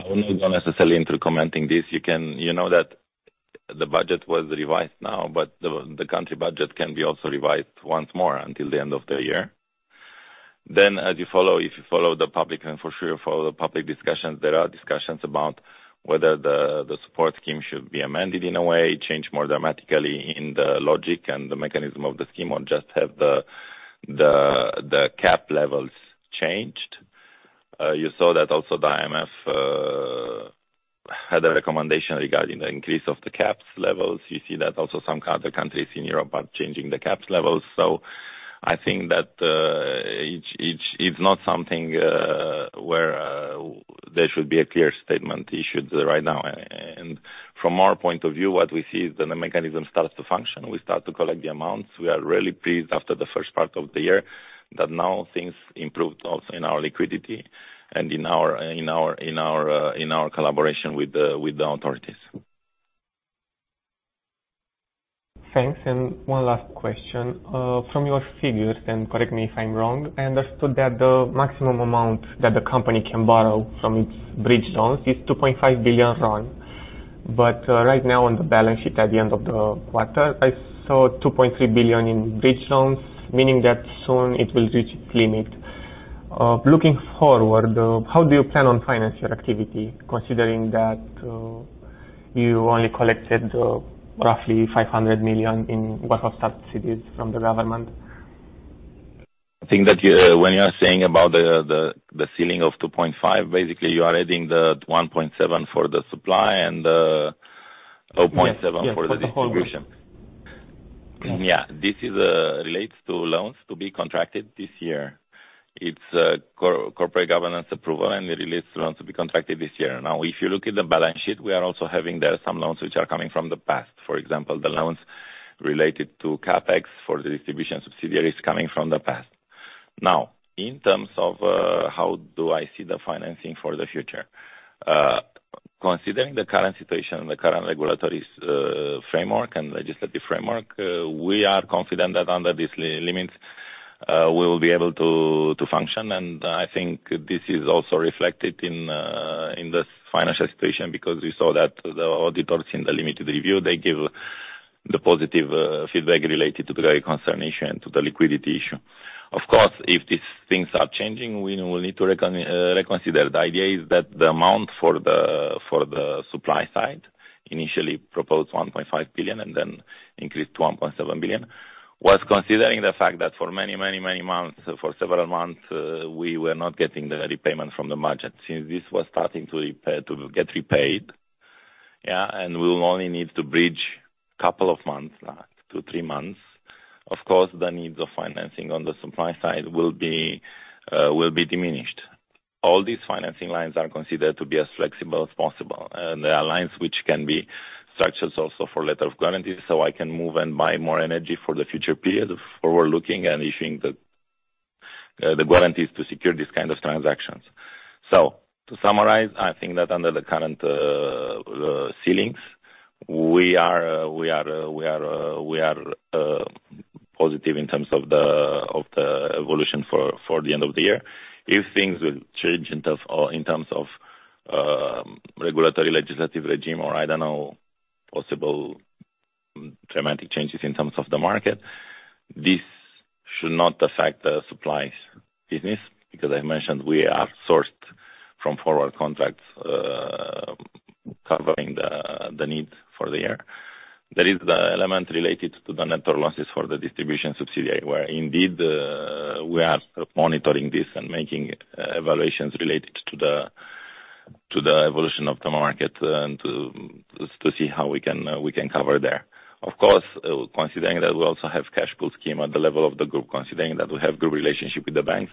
Speaker 4: I will not go necessarily into commenting this. You know that the budget was revised now, but the country budget can be also revised once more until the end of the year. As you follow, if you follow the public, and for sure you follow the public discussions, there are discussions about whether the support scheme should be amended in a way, change more dramatically in the logic and the mechanism of the scheme, or just have the cap levels changed. You saw that also the IMF had a recommendation regarding the increase of the cap levels. You see that also some other countries in Europe are changing the cap levels. I think that each is not something where there should be a clear statement issued right now. From our point of view, what we see is when a mechanism starts to function, we start to collect the amounts. We are really pleased after the first part of the year that now things improved also in our liquidity and in our collaboration with the authorities.
Speaker 5: Thanks. One last question. From your figures, and correct me if I'm wrong, I understood that the maximum amount that the company can borrow from its bridge loans is RON 2.5 billion. Right now on the balance sheet at the end of the quarter, I saw RON 2.3 billion in bridge loans, meaning that soon it will reach its limit. Looking forward, how do you plan on financing your activity, considering that, you only collected, roughly RON 500 million worth of subsidies from the government?
Speaker 4: I think that when you are saying about the ceiling of RON 2.5 billion, basically you are adding the RON 1.7 billion for the supply and RON 0.7 billion for the distribution.
Speaker 5: Yes.
Speaker 4: Yeah. This relates to loans to be contracted this year. It's corporate governance approval, and it relates to loans to be contracted this year. Now, if you look at the balance sheet, we are also having there some loans which are coming from the past. For example, the loans related to CapEx for the distribution subsidiary is coming from the past. Now, in terms of how do I see the financing for the future? Considering the current situation, the current regulatory framework and legislative framework, we are confident that under these limits, we will be able to function. I think this is also reflected in this financial situation because we saw that the auditors in the limited review, they gave the positive feedback related to the going concern issue and to the liquidity issue. Of course, if these things are changing, we will need to reconsider. The idea is that the amount for the supply side initially proposed RON 1.5 billion and then increased to RON 1.7 billion was considering the fact that for many months, for several months, we were not getting the repayment from the market. Since this was starting to get repaid, yeah, and we will only need to bridge a couple of months, two, three months. Of course, the needs of financing on the supply side will be diminished. All these financing lines are considered to be as flexible as possible, and there are lines which can be structured also for letters of guarantee, so I can move and buy more energy for the future period of forward looking and issuing the guarantees to secure these kind of transactions. To summarize, I think that under the current ceilings, we are positive in terms of the evolution for the end of the year. If things will change in terms of regulatory legislative regime or I don't know, possible dramatic changes in terms of the market, this should not affect the supply business, because I mentioned we are sourced from forward contracts covering the need for the year. There is the element related to the network losses for the distribution subsidiary, where indeed, we are monitoring this and making evaluations related to the evolution of the market and to see how we can cover there. Of course, considering that we also have cash pool scheme at the level of the group, considering that we have good relationship with the banks.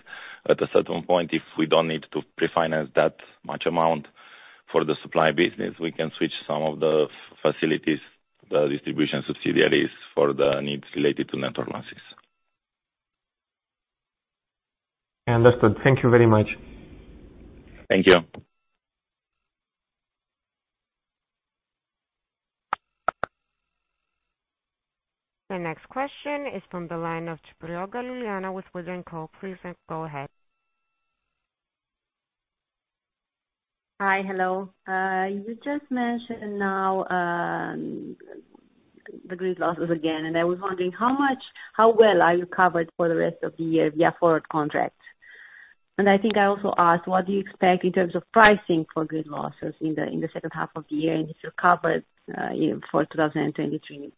Speaker 4: At a certain point, if we don't need to pre-finance that much amount for the supply business, we can switch some of the facilities, the distribution subsidiaries for the needs related to network losses.
Speaker 5: Understood. Thank you very much.
Speaker 4: Thank you.
Speaker 1: The next question is from the line of Luliana Ciopraga with Wood & Co. Please go ahead.
Speaker 6: Hi. Hello. You just mentioned now, the grid losses again, and I was wondering how well are you covered for the rest of the year via forward contract? I think I also asked, what do you expect in terms of pricing for grid losses in the second half of the year and if you're covered for 2023?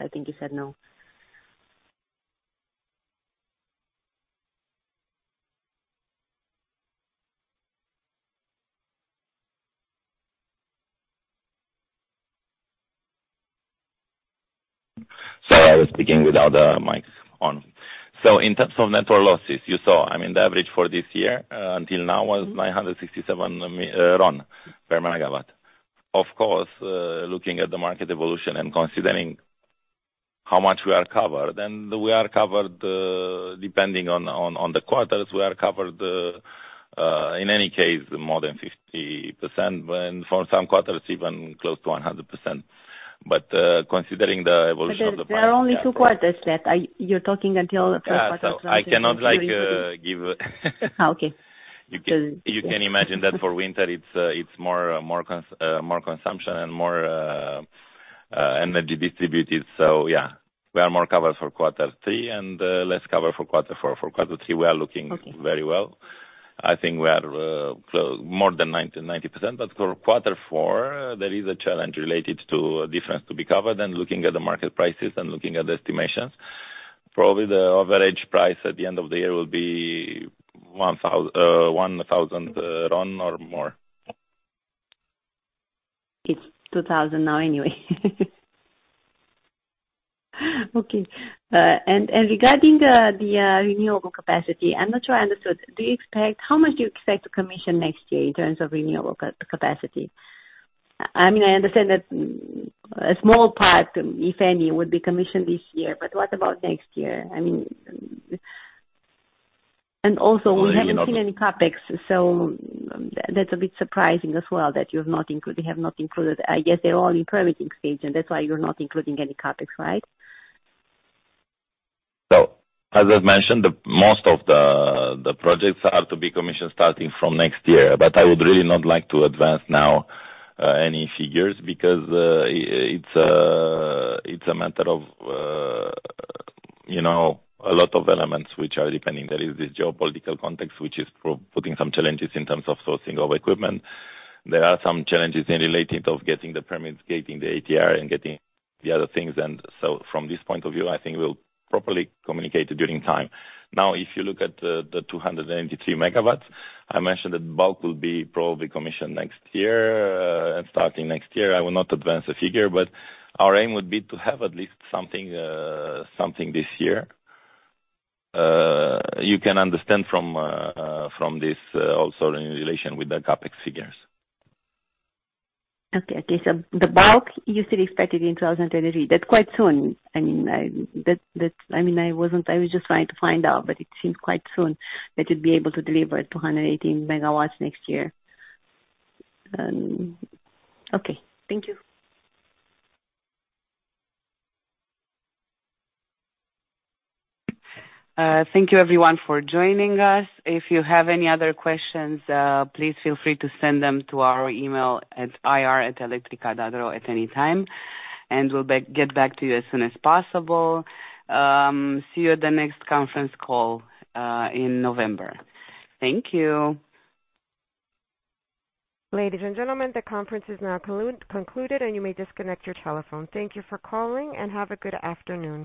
Speaker 6: I think you said no.
Speaker 4: Sorry, I was speaking without the mic on. In terms of network losses, you saw, I mean, the average for this year until now was RON 967/MW. Of course, looking at the market evolution and considering how much we are covered, depending on the quarters, in any case, more than 50%, when for some quarters even close to 100%. Considering the evolution of the
Speaker 6: There are only two quarters left. You're talking until four quarters?
Speaker 4: Yeah. I cannot like, give
Speaker 6: Okay.
Speaker 4: You can imagine that for winter it's more consumption and more energy distributed. Yeah, we are more covered for quarter three and less covered for quarter four. For quarter three, we are looking very well. I think we are more than 90%. For quarter four, there is a challenge related to a difference to be covered and looking at the market prices and looking at the estimations. Probably the average price at the end of the year will be RON 1,000 or more.
Speaker 6: It's RON 2,000 now anyway. Okay. Regarding the renewable capacity, I'm not sure I understood. How much do you expect to commission next year in terms of renewable capacity? I mean, I understand that a small part, if any, would be commissioned this year, but what about next year? I mean. Also we haven't seen any CapEx, so that's a bit surprising as well, that you have not included. I guess they're all in permitting stage and that's why you're not including any CapEx, right?
Speaker 4: As I've mentioned, the most of the projects are to be commissioned starting from next year. I would really not like to advance now any figures because it's a matter of you know a lot of elements which are depending. There is this geopolitical context which is putting some challenges in terms of sourcing of equipment. There are some challenges then related to getting the permits, getting the ATR and getting the other things. From this point of view, I think we'll properly communicate over time. Now, if you look at the 283 MW, I mentioned that bulk will be probably commissioned next year and starting next year. I will not advance the figure, but our aim would be to have at least something this year. You can understand from this also in relation with the CapEx figures.
Speaker 6: Okay. The bulk you still expect it in 2023. That's quite soon. I mean, that. I mean, I was just trying to find out, but it seems quite soon that you'd be able to deliver 218 MW next year. Okay. Thank you.
Speaker 2: Thank you everyone for joining us. If you have any other questions, please feel free to send them to our email at ir@electrica.ro at any time, and we'll get back to you as soon as possible. See you at the next conference call in November. Thank you.
Speaker 1: Ladies and gentlemen, the conference is now concluded, and you may disconnect your telephone. Thank you for calling and have a good afternoon.